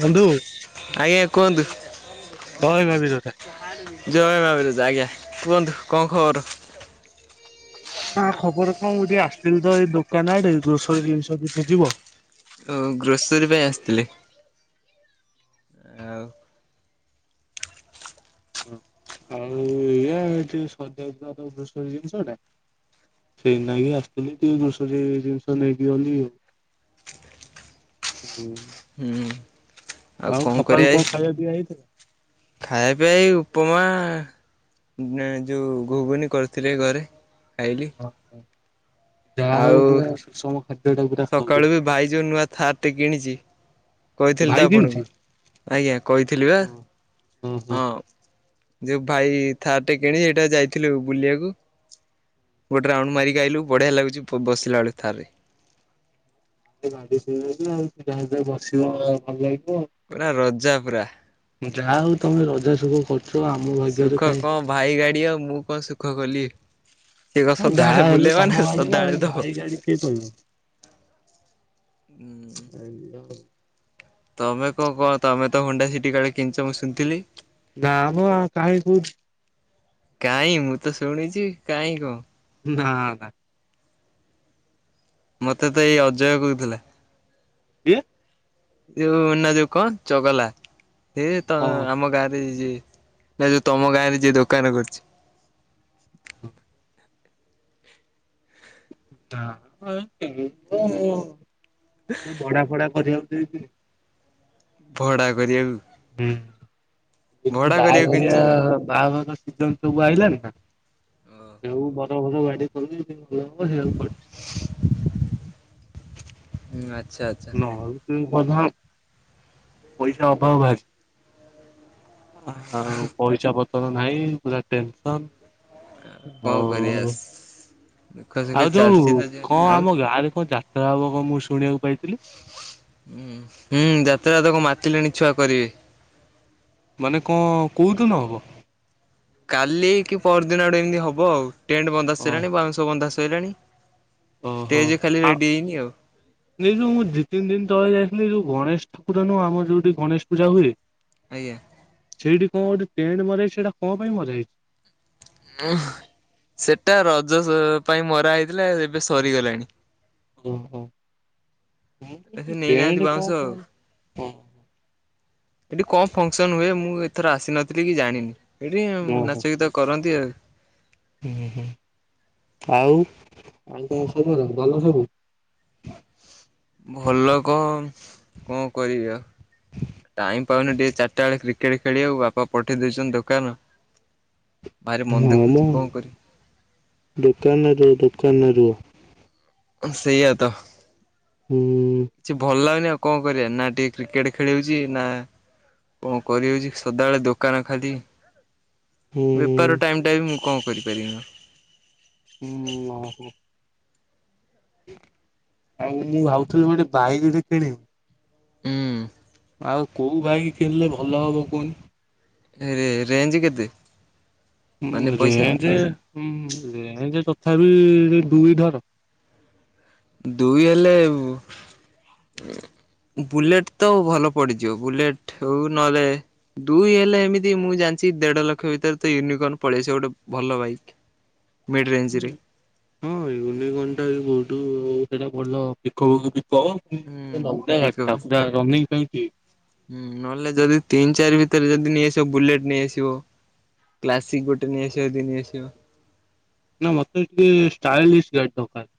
ବନ୍ଧୁ ଆଜ୍ଞା କୁହନ୍ତୁ। ଜୟ ମା ବିରଜା। [unintelligible] କୁହନ୍ତୁ କଣ ଖବର? ହ ଖବର କଣ ମୁଁ ଟିକେ ଆସିଥିଲି, ତ ଏଇ ଦୋକାନ ଆଡେ ଗ୍ରୋସରୀ ଜିନିଷ କିଛି ଯିବ। ଓ ଗ୍ରୋସରୀ ପାଇଁ ଆସିଥିଲେ? ଆଉ ହ ଆଉ ଇ ଯୋଉ ସ ଜିନିଷଟା ସେଇନାକି ଆସିଥିଲି ତିକ ଦଷର ଜିନିଷ ନେଇକି ଗଲି ଆଉ। ହୁଁ। ହୁଁ ଆଉ କଣ ସକାଳୁ କରିବା ଖାଇବା ପିଇବା ହେଇଥିଲା? ଖାଇବା ପିଇବା ଆଇଉ ଉପମା ଯେଉଁ ଘୁଗୁନି କରିଥିଲେ ଘରେ। ଖାଇଲି ହ ହ। ଆଉ ଖାଦ୍ୟ ଟା ପୁରା ଖାଉଛ ସକାଳୁ ବି ଭାଇ ଯୋଉ ନୂଆ ଥାର୍ ଟେ କିଣିଛି କହିଥିଲି ଭାଇ ତ ଆପଣଙ୍କୁ କେମିତି? ଆଜ୍ଞା କହିଥିଲି ବା ହଁ ହଁ। ଯୋଉ ଭାଇ ଥାର୍ଟେ କିଣି ସେଇଟା ଯାଇଥିଲୁ ବୁଲିବାକୁ ଗୋଟେ ରାଉଣ୍ଡ ମାରି ଆଲୁ ବଢିଆ ଲାଗୁଛି ବସିଲା ବେଳେ ଥାର ରେ ଗା ଆଉ ଯାହା ଯା ବସିବ ଭଲ ଲାଗ ପୁରା ରଜା ପୁରା। ଯାହା ହଉ ତମେ ରଜା ସୁଖ କର ସୁଖ କଣ ଭାଇ ଗାଡିଅ ମୁଁ କଣ ସୁଖ କଲି ସେଇଏ କ ହଁ, ଯାହା ସଦାଳେ ହେଲେ ବୁଲବା ତମ ନା ଗାଡି ଆଉ ସଦାଳେ ତ ଭାଇ ଗାଡି କିଏ କହିବ। ଆଜ୍ଞା। ତମେ କଣ କଣ ତମେ ତ ହୁଣ୍ଡା ସେଠି କାଳେ କିଣିଛ ମୁଁ ଶୁଣିଥିଲି? ନାମ କାହିଁକି କୁ କାହିଁ ମୁଁ ତ ଶୁଣିଛି କାହିଁ କଣ? ନାଁ ନା। ମତେ ତ ଏଇ ଅଜୟ କହୁଥିଲା। କିଏ? ଯୋଉ ନା ଯୋଉ କଣ ଚଗଲା ସେ ତ ହଁ ଆମ ଗାଁରେ ନା ଯୋଉ ତମ ଗାଁରେ ଯିଏ ଦୋକାନ ଖେଳିଛି ବଡା ଫଡା କରିବା ହୁଁ ହୁଁ। ଭଡା କରିବାକୁ। ହୁଁ ଭଡା କରିବାକୁ କିଣିଛୁ। ବାହାଘରିଆ ବାହାଘର ସିଜନ ସବୁ ଆଇିଲାନି ନା ଓହୋ ସୁ ବର ବର ଗାଡି କରୁ ଭଲ ହେ କରଛ ହୁଁ ଆଚ୍ଛା ଆଚ୍ଛା ନ ତ ବଧା ପଇସା ଅଭାବ ଭଛି ହଁ ପଇସା ପତର ନାହିଁ ପୁରା ଟେନସନ କଣ କରିବା। ହଉ। ଦୁଃଖ ସୁଖ ଆଉ ଯୋଉ ଚାଲିଛି ତ ଜୀବନ କଣ ଆଉ ଆମ ଗାଁ ରେ କଣ ଯାତ୍ରା ହବ କଣ ମୁଁ ଶୁଣିବାକୁ ପାଇଥିଲି ହୁଁ ହୁଁ ଯାତ୍ରା ତକୁ ମାତିଲେଣି ଛୁଆ କରିବେ। ମାନେ କଣ କୋଉଦିନହବ? କାଲି କି ପରରଦିନ ଆଡେ ଏମିତି ହବ, ଆଉ ଟେଣ୍ଟ ବନ୍ଦା ଓ ସରିଲଣି ବାଉଁଶହ ବନ୍ଦା ସରିଲାଣି। ଓହୋ ଷ୍ଟେଜ ଖାଲି ଆଉ ରେଡି ହେଇନି ନିୁ ମୁଁ ଦିଇ ତିନ ଦିନ ତଳେ ଯାଇ ଯୋଉ ଗଣେଶ ଠାକୁର ନୁହଁ, ଆମର ଯୋଉଠି ଗଣେଶ ପୂଜା ହୁଏ, ଆଜ୍ଞା। ସେଇଠି କଣ ଗୋଠେ ପଣ୍ଟ ମଜଛି ସେଇଟା କଣ ପାଇଁ ମଜା ହେଇଛି? ଉ ସେଟା ରଜ ପାଇଁ ମରା ହେଇଥିଲା ଏବେ ସରିଗଲାଣି। ଓ ସେ ନେଇନାହାନ୍ତି ବାଉଁଶ ହ ଆଉ କ। ଏଠି କମ ଫଙ୍କସନ ହୁଏ, ମୁଁ ଏଥର ଆସିନଥିଲି କି ଜାଣିନି। ଏଇଠି ଓହୋ ନାଚ ଗୀତ କରନ୍ତି ଆଉ। ହୁଁ ହୁଁ। ଆଉ ଆଉ କଣ ସବୁ ଭଲ ସବୁ? ଭଲ କଣ କଣ କରି ଆଉ ଟାଇମ୍ ପାଉନି ଟିକେ ଚାରିଟା ବେଳେ୍ରିକ ଖେଳି ଖେଳି ଆକୁ ବାପା ପଠେଇ ଦେଇଉଛନ୍ତି ଦୋକାନ। ଭାରି ମନ ହଁ ଦୁଃଖ ମ ହଉଛି କଣ କରିବି ଦୋକାନ ରୁହ ଦୋକାନ ରୁହ ସେଇଆ ତ ହୁଁ କିଛି ଭଲ ଲାଗନ ଉ କଣ କରିବା ନା ଟିକେ କ୍ରିକେଟ ଖେଳଉଛି ନା କଣ କରିହଉଛି ସଦାବେଳେ ଦୋକାନ ଖାଲି ହୁଁ ବେପାର ଟାଇମ ଟା ବି ମୁଁ କଣ କରିପାରିିନ ହୁଁ ଓହୋ ଆଉ ମୁଁ ଭାଉଥିଲି ଗୋଟେ ବାଇ ଗୋଟେ କିଣିବୁ ହୁଁ। ଆଉ କୋଉ ଭାଇ କିଣିଲେ ଭଲ ହବ କୁହନ? ରେଞ୍ଜ କେତେ? ମାନେ ପଇସା ରେଞ୍ଜ ରେଞ୍ଜ କ ସ ବି ଦୁଇ ଧର। ଦୁଇ ହେଲେ [inaudible] ବୁଲେଟ ତ ଭଲ ପଡିଯିବ, ବୁଲେଟ ହଉ ନହେଲେ ଦୁଇ ହେଲେ ଏମିତି ମୁଁ ଜାଣିଛି ଦେଢ ଲକ୍ଷ ଭିତରେ ତ ୟୁନିକୋର୍ନ ପଳେଇ ସେ ଗୋଟେ ଭଲ ବାଇକ ହ ହଁ ୟୁନିକନ ଟା କୋଉଠୁ ସେଟା ଭଲ ହୁଁ ବୋ ଠିକ କାଟା ରନିଂ କେମିତି? ହୁଁ ନହେଲେ ଯଦି ତିନି ଚାରି ଭିତରେ ଯଦି ନେଇଆସିବ ବୁଲେଟ ନେଇଆସିବ। କ୍ଲାସିକ ଗୋଟେ ନେଇଆସିବ ଦି ନେଇଆସିବ। ନା ମତେ ଏତେ ଷ୍ଟାଇଲିସ ଗାଡି ଦରକାର।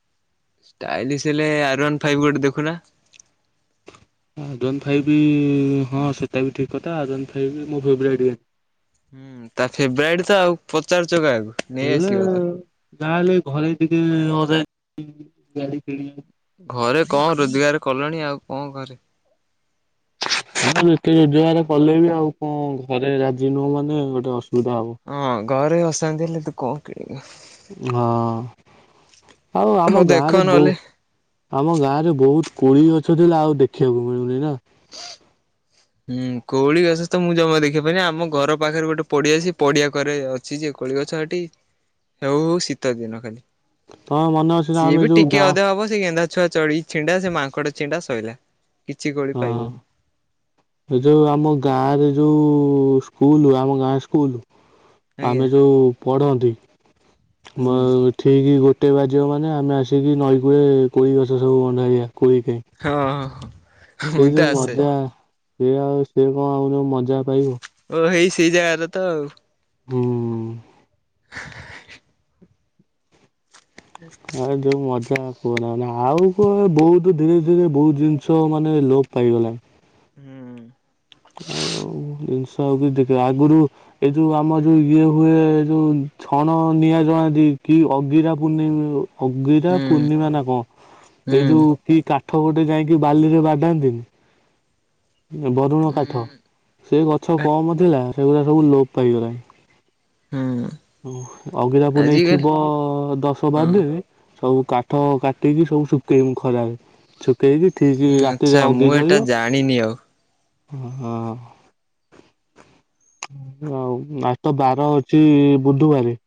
ଷ୍ଟାଇଲିଶ ହେଲେ ଆରନ୍ ଫାଇଭ ଗୋଟେ ଦେଖୁନା? ଆଜନ ଫାଇ ବି ହଁ ସେଟା ବି ଠିକ କଥା, ଆଜନ ଫାଇ ବି ମୁଁ ଭବିଲ ଟେ ହୁଁ ତା ଫେବ୍ରାଇଡ ତ ଆଉ ପଚାରୁ ହେଲେ ଗାଁ ହେଲେ ଘରେ ଟିକେ ଅ ଗାଡି କିଣିବା ଘରେ କଣ ରୋଜଗାର କଲେଣି ଆଉ କଣ ଘରେ। ହଁ ଏତେ ରୋଜଗାର କଲେ ବି ଆଉ କଣ ଘରେ ରାଜି ନୁହଁ ମାନେ ଗୋଟେ ଅସୁଧ ବଧାଅ ହେବ। ହଁ ଘରେ ଆସନ୍ତି ହେଲେ ତୁ କଣ କିଣିବୁ? ହଁ। ଆଉ ଆମ ହଉ ଗାଁ ଦେଖ ରେ ବହୁ ନହେଲେ ଆମ ଗାଁ ରେ ବହୁତ କୋଳି ଅଛ ହେ ଆଉ, ଦେଖିବାକୁ ମିଳୁନି ନା? ଉଁ କୋଳି ଗଛ, ତ ମୁଁ ଜମା ଦେଖିବା ପାଇଁନି ଆମ ଘର ପାଖରେ ଗୋଟେ ପଡିଆ ସେ ପଡିଆ କରେ ଅଛି ଯେ କୋଳି ଗଛ ସେଠି ହେଉ ହଉ ଶୀତ ଦିନ ଖାଲି ତମର ମନେ ଅଛି ନା ସିଏ ଆମେ ବି ଯୋଉ ଟିକେ ଗାଁ ଅଧେ ହବ, ସେ ଗେନ୍ଧା ଛୁଆ ଚଢ ଛିଣ୍ଡା ସେ ମାଙ୍କଡ ଚିଣ୍ଡା ଶୋଇଲା କିଛି ଗୋଳି ହଁ ପାଇବୁନି। ଏ ଯୋଉ ଆମ ଗାଁରେ ଯୋଉ ସ୍କୁଲୁ ଆମ ଗାଁ ସ୍କୁଲ ଆଜ୍ଞା ଆମେ ଯୋଉ ପଢନ୍ତି ହୁଁ ଠିକ କୋଟେ ବାଜିବ ମାନେ ଆମେ ଆସିକି ନଈ କୂରେ କୋଇ ଗଛ ସବୁ ବନ୍ଧାରିବା ହଁ। ହଁ ସେ ମୁଁ ତ ଯୋଉ ଆସେ। ମଜା ସିଏ ଆଉ ସିଏ କଣ ଆଉ ମଜା ପାଇବ? ଓ ହେଇ ସେଇ ଜାଗାରେ ତ ଆଉ। ହୁଁ। ଏଁ ଯୋଉ ମଜା। କୁହ ଆଉ କହ ବହୁତ ଧୀରେ ଧୀରେ ବହୁତ ଜିନିଷ ମାନେ ଲୋପ ପାଇଗଲାଣି। ହୁଁ ଆଉ ଜିନିଷ ଆଉ କିଛି ଦେଖ ଆଗରୁ ଏଇ ଯୋଉ ଆମର ଯୋଉ ଇଏ ହୁଏ ଏ ଯୋଉ ଛଣ ନିଆ ଜଣାନ୍ତି କି ଅଗିରା ପୂର୍ଣ୍ଣିମ ଅଗିରା ହୁଁ ପୂର୍ଣ୍ଣିମା ନା କଣ ଏଇ ଯୋଉ ଉଁ କି କା- ଆଠ ଗୋଟେ ଯାଇକି ବାଲିରେ ବାଡାନ୍ତିନି। ଆଠ ସେ ଗଛ କମ ଥିଲା ସେଗୁଡା ସବୁ ଲୋପ ପାଇଗଲାଣି। ହୁଁ ଓ ଅଗିରାପୁ ଆଜିକାଲି ନେଇଥିବ ଦଶ ବାର ହଁ ଦିନ ସବୁ କାଠ କାଟିକି ସବୁ ଶୁଖେଇି ଖରା ରେ। ସେଇଠି ଠିକ ଆଚ୍ଛା ରାତିରେ ଅଗ୍ନି ମୁଁ ଏଟା ଜଳିବ। ଜାଣିନି ଆଉ। ହଁ। ଆଉ ନାଟ ତାର ହଉଛି ବୁଧବାର।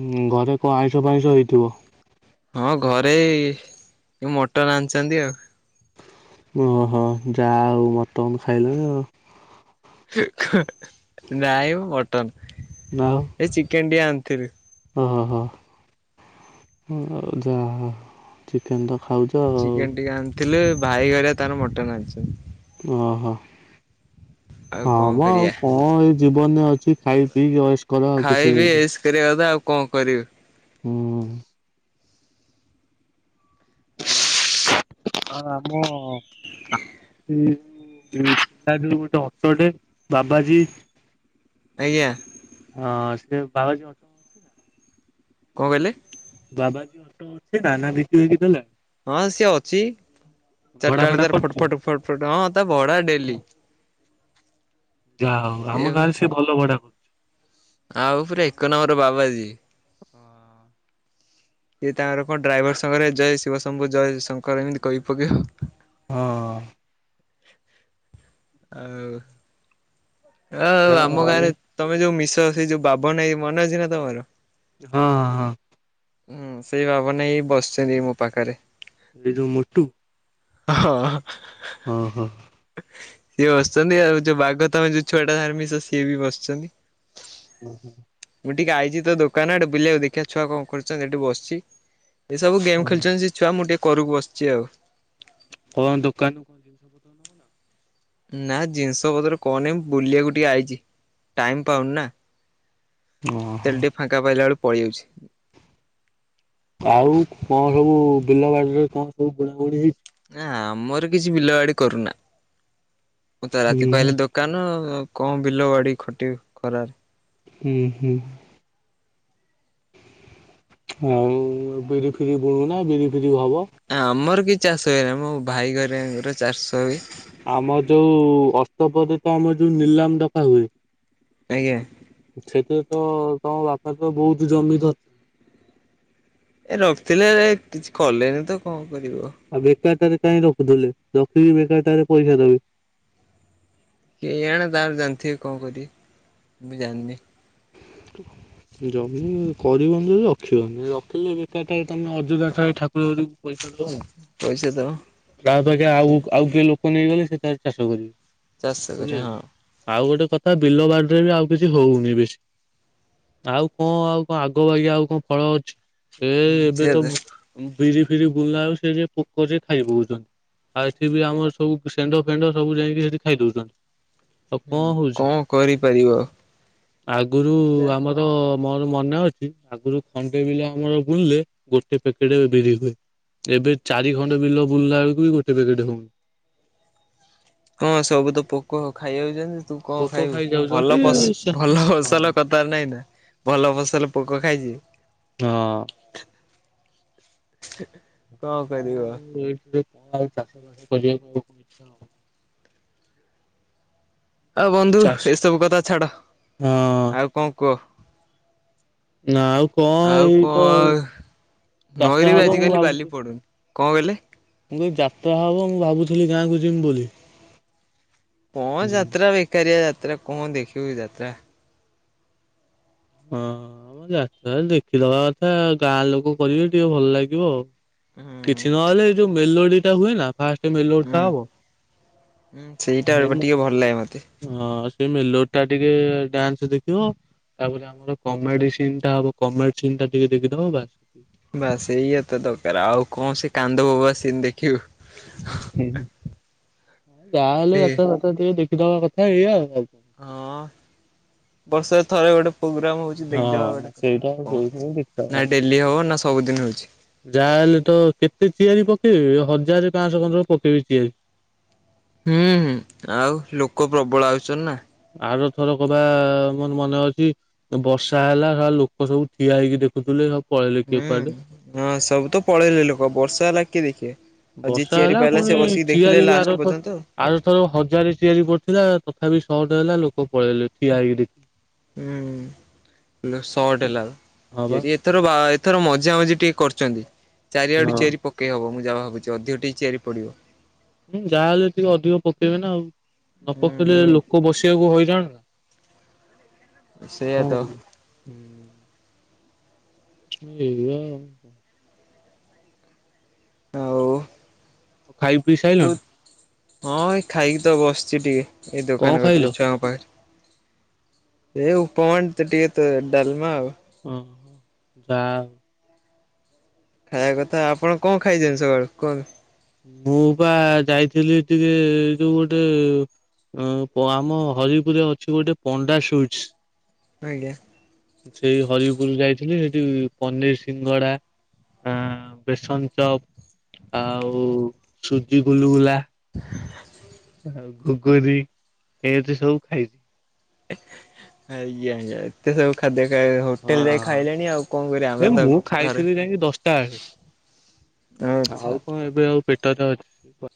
ହୁଁ ଘରେ କଣ ଆଇଁଷ ଫାଇଁଷ ହେଇଥିବ? ହଁ ଘରେ ଇଏଇ ମଟର ଆଣିଛନ୍ତି ଆଉ। ଓହୋ ଯା ହଉ ମଟନ ତୁ ଖାଇଲୁଣି ଆଉ। ନାଇ ମଟନ ଏ ଚିକେନ ଟିଏ ଆଣିଥିଲି। ଓ ହ ହ ଯାହା ହଉ ଚିକେନ୍ ତ। ଖାଉଛ ଆଉ। ଥିଲେ ଭାଇ ହେରିକା ତାର ମଟନ୍ ଆସିବ। ଓହୋ ଆଉ ହଁ କଣ ମ ଆଉ କରିବା। କଣ ଏଇ ଜୀବନରେ ଅଛି ଖାଇ ପିଇକି ଅୟସ ଖାଇବି ଏଇସ୍ କରିବା କଥା ଆଉ କଣ କରିବି? ହୁଁ। ଆ ଆମ ନାତି ପ ଯୋଉ ଗୋଟେ ଅଟୋଟେ ବାବାଜୀ। ଆଜ୍ଞା। ହଁ ସେ ବାବାଜି କଣ କହିଲେ? ବାବାଜୀ ଅଟ ଅଛି ଦାନା ବିକି ହେକି ଦେଲା। ହଁ ସିଏ ଅଛି। ଭଡା ଚାରିଟା ବେଳେ ଫଡା ତାର ଫଟ କରୁଛି ଫଟ ଫଟ ଫଟ ହଁ ତା ଭଡା ଡେଲି ଯା ହଉ ଆମ ସିଏ ଗାଁରେ ସେ ଭଲ ଭଡ଼ା ଆଉ ପୁରା ଏକ ନମ୍ବର ବାବାଜି। ସିଏ ତାଙ୍କର କଣ ଡ୍ରାଇଭର ସାଙ୍ଗରେ ଜୟ ଶିବ ଶମ୍ଭୁ ଜୟ ଶଙ୍କର ଏମିତି କହି ପକେଇବ। ହଁ। ଆଉ ହ ଯାହା ଆମ ହଉ ଗାଁରେ ଆଉ ତମେ ଯୋଉ ମିଶ ସେ ଯୋଉ ବାବନ ଭାଇ ମନେ ଅଛି ନା ତମର? ହଁ ହଁ ହଁ। ହୁଁ ସେଇ ବାବନ ଭାଇ ହିଁ ବସିଛନ୍ତି ମୋ ପାଖରେ। ଏଇ ଯୋଉ ହଁ। ଓ ହୋ। ସିଏ ବସିଛନ୍ତି ଆଉ ଯୋଉ ବାଘ ତମେ ଯୋଉ ଛୁଆଟା ସାଙ୍ଗେ ମିଶ ସିଏ ବି ବସିଛନ୍ତି। ହୁଁ ହୁଁ। ମୁଁ ଟିକେ ଆଇଚି ତ ଦୋକାନ ଆଡେ ବୁଲିବାକୁ ଦେଖିବା ଛୁଆ କଣ କରୁଛନ୍ତି ଏଠି ବସିଛି। ଏସବୁ ଗେମ୍ ଖେଳୁଛନ୍ତି ସେ ଛୁଆ ମୁଁ ଟିକେ କରକୁ ବସିଛି ଆଉ। କଣ ଦୋକାନରୁ ନା ଜିନିଷ ପତ୍ର କଣ ନାଇ ବୁଲିବାକୁ ଟିକେ ଆଇଚି ଟାଇମ ପାଉନି ନା। ଓହୋ ତେଲଟି ଫାଙ୍କା ପାଇଲା ବେଳ ପଡି ଯାଉଛି ଆଉ କଣ ସବୁ ବିଲ ବାଡିରେ କଣ ସବୁ ବୁଣାବୁଣି ହେଇଛି? ନା ଆମର କିଛି ବିଲ ବାଡି କରୁନା ମୁଁ ତ ରାତି ହୁଁ ପାଇଲି ଦୋକାନ କଣ ବିଲ ବାଡି ଖଟ ଖରାରେ ହୁଁ ହୁଁ। ଆଉ ବିରି ଫରି ବୁ ନା ବିରି ଫରି ଆ ଆମର କିଛି ଚାଷ ହୁଏନହି ମୋ ଭାଇ ଘରଙ୍କର ଚାଷ ହୁଏ। ଆମ ଯୋଉ ଅଷ୍ଟପଦ ତ ଆମ ଯୋଉ ନିଲାମ ଦଫା ହୁଏ। ଆଜ୍ଞା। ସେଥିରେ ତ ତମ ବାପା ତ ବହୁତ ଜମି ଧରିଛନ୍ତି। ଏ ରଖିଥିଲେ କିଛି କଲେନି ତ କଣ କରିବ। ଆଉ ବେକାରଟାରେ କାହିଁ ରଖୁଥିଲେ, ରଖି ବେକାରଟାରେ ପଇସା ଦବି କେ ଜଣେ ତାର ଜାଣିଥିବେ କଣ କରିବି ମୁ ମୁ ଜାଣିନି। [inaudible] ଜମି କରିବନି ରଖିବନି ରଖିଲେ, ବେକାର ଟାଏ ତମେ ଅଯଦାଏ ଠା ପଇସା ଦଉ ପଇସା ଦବ ଗାଁ ତ ଆଜ୍ଞା ହୁଁ ଆଉ ସିଏ ଆଉ କିଏ ଲୋକ ପୋକ ନେଇଗଲେ ସେଠାର ଚାଷ ଚାଷ କରିବେ କରେ ହଁ। ବୁଝିପ ଆଉ ଗୋଟେ ତଥା ବିଲ ବାଡିରେ ବି ଆଉ କିଛି ହଉନି ବେଶୀ ଆଉ କଣ ଆଉ କଣ ଆଗ ଆଗ ଆଉ କଣ ଫଳ ଅଛି? ଏ ହୁଁ ଏବେ ସେୟା ତ ବିରି ଫିରି ବୁଲାଉ ସେ ଯେ ପୋକରରେ ଖାଇ ପଉଛନ୍ତି ଆଉ ଏଠି ବି ଆମର ସବୁ ସେଣ୍ଡ ଫେଣ୍ଡ ସବୁ ଯାଇକି ସେଠି ଖାଇ ଦଉଛନ୍ତି। ଆଉ କଣ ହୁଁ ହଉଛି କଣ କରିପାରିବ? ଆଗରୁ ଯା ଆମର ତ ମୋର ମନେ ଅଛି, ଆଗରୁ ଖଣ୍ଡେ ବିଲ ଆମର ବୁଲିଲେ ଗୋଟେ ପ୍ୟାକେଟ ବିରି ହୁଏ। ଏବେ ଚାରି ଖଣ୍ଡେ ବିଲ ବୁଲିଲା ବେଳକୁ ବି ଗୋଟେ ପେକେଟ ହଉନି ହଁ ସବୁ ତ ପୋକ ଖାଇଯାଉଛନ୍ତି। ତୁ କଣ ପୋକ ଖାଇବୁ ଭଲ ଖାଇଯାଉଛନ୍ତି ସେ ଭଲ ହଁ। ଫସଲ କଥାର ନାଇଁ ନା ଭଲ ଫସଲ ପୋକ ଖାଇଛି। ହଁ। [inaudible] ମୁଁ ଆଉ ଏରେ କଣ ଆଉ ଚାଷ ବାସ କରିବାକୁ ଆ କଣ ଇଛା ଆଉ ହଉନି। ଆଉ ବନ୍ଧୁ ଏସବୁ କଥା ଛାଡ ହଁ ଆଉ କଣ କୁହ? ନା ଆଉ କଣ ଆଉ ଏଇ ତ କଣ ଯାତ୍ରା ନଈରେ ବି ହବ ମୁଁ ଆଜିକାଲି ବାଲି ପଡୁନି। କଣ କହିଲେ? ମୁ ଯାତ୍ରା ହବ ମୁଁ ଭାବୁଥିଲି ଗାଁକୁ ଯମି ବୋଲି। କଣ ହଁ ଯାତ୍ରା ବେକାରିଆ ଯାତ୍ରା କଣ ଦେଖିବୁ ଯାତ୍ରା ହଁ ଆ ଯ ଦେଖିଦବା କଥା ଗାଁ ଲୋକ କରିବେ ଟିକେ ଭଲ ଲାଗିବ ଆଉ। ହୁଁ କିଛି ନହେଲେ ଏଇ ଯୋଉ ମେଲୋଡି ଟା ହୁଏ ନା? ଫାଷ୍ଟା ହୁଁ ହବଁ। ହୁଁ ସେଇଟା ଟିକେ ଭଲ ଲାଗେ ମତେ ତମେ ଲୋଟା ଟିକେ ଡ୍ୟାନ୍ସ ଦେଖିବ ତାପ ଆମର କମେଡି ସି ଟା ହବ କମେଡି ସି ଟା ଟିକେ ଦେଖିଦବ ବାସ ସେତିକି ବାସ ଏଇଆ ତ ଦରକାର ଆଉ କଣ ସେ କାନ୍ଦବୋବ ସିନ ଦେଖି ବୁ। ହଁ ଯାହାହେଲେ ଯାତବତା ଟିକେ ଦେଖିଦବା କଥା ହେଇ ଆଉ ଆଉ। ହଁ ବର୍ଷରେ ଥରେ ଗୋଟେ ପ୍ରୋଗ୍ରାମ ହଉଛି, ଦେଖଦବାଉ ହଁ ଗୋଟେ କଥା ସେଇଟା ଆଉ ସେଇଥିପାଇଁ କଣ ନା ଡେଲି ହବ ନା ସବୁଦିନ ହଉଛି ଯାହା ହେଲେ ତ କେତେ ଚିଆରି ପକେଇବି ହଜାର ପାଞ୍ଚଶହ ପାଞ୍ଚ ପକେଇବି ଚିଆରି। ହୁଁ ହୁଁ ଆଉ ଲୋକ ପ୍ରବଳ ଆଉନ୍ ନା ଆର ଥର କବା ମୋର ମନେ ଅଛି ବର୍ଷା ହେଲା ଲୋକ ସବୁ ଠିଆ ହେଇକି ଦେଖୁଥିଲେ ସବୁ। ପଳେଇଲେ କିଏ ହୁଁ କୁଆଡେ। ହଁ ସବୁ ତ ପଳେଇଲେ ଲୋକ ବର୍ଷା ହେଲା କିଏ ଦେଖେ? ବର୍ଷା ହେଲା ଆଉ ପୁଣି ଚିଆରି ବି, ଲାଷ୍ଟ ଆରଥର ପର୍ଯ୍ୟନ୍ତ ଆରଥର ହଜାରେ ଚିଆରି ପଡିଥିଲା। କଥାି ସଟ ହେଲା ଲୋକ ପଳେଇଲେ ଠିଆ ହେକିି ହୁଁ ଶହଟ ହଁ ବା ହେଲାଠି ଏଥର ବା ଥର ମଜା ମଜି ଟିକେ କରିଛନ୍ତି, ଚାରିଆଡୁ ହଁ ଚେରି ପକେଇ ହବ ମୁ ଯାହା ଭାବୁଛି ଅଧିକ ଟିକ ଚତିଆରି ପଡିବ। ହୁଁ ଯାହାହେଲେ ଟିକେ ଅଧିକ ପକେଇବେ ନା ଆଉ, ନ ପକେଇଲେ ହୁଁ ଲୋକ ବସିବାକୁ ହଇରାଣ ନା। ସେଇଆ ହଁ ତ ହୁଁ। [unintelligible] ଆଉ ଓ ଖାଇ ପିଇସାଇଲ? ହଁ ଏଇ ଖାଇକି ତ ବସିଛି ଟିକେ ଏଇ କଣ ଦୋକାନ ଖାଇଲ? କତିରେ ଛୁଆଙ୍କ ପାଖରେ। ଏଇ ଉପମାଣ୍ଡ ତ ଟିକେ ତ ଡାଲମା ଆଉ। ଓ ଯା ଖାଇବା କଥା ଆପଣ କଣ ଖାଇଛନ୍ତି ସକାଳୁ କହୁ? ମୁଁ ବା ଯାଇଥିଲି ଟିକେ ଏ ଯୋଉ ଗୋଟେ ଆମ ହରିପୁରରେ ଅଛି ଗୋଟେ ପଣ୍ଡା ଆଜ୍ଞା। ସୁଇଟ୍ସ ସେଇ ହରିପୁର ଯାଇଥିଲି ସେଇଠି ପନିର ସିଙ୍ଗଡା ଆ ବେସନ ଚପ ଆଉ ହଉ ସୁଜି ଗୁଲ ବୁଲା ଆଉ ଘୋଗର ଏତି ସବୁ ଖାଇଛି। ଆଜ୍ଞା ଆଜ୍ଞା ଏତେ ସବୁ ଖାଦ୍ୟ ହୋଟେଲ ଯାଇ ହଁ ଖାଇଲେଣି ଆଉ କଣ କରିବା ଏ ଆମର ତ ମୁଁ ଘରେ ଖାଇଥିଲି ଯାଇକି ଦଶଟା ବେଳେ ଆଉ ଆଚ୍ଛା କଣ ଏବେ ଆଉ ପେଟ ଅଛି